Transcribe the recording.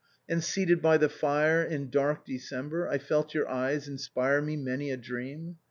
And, seated by the fire, in dark December, I felt your eyes inspire me many a dream.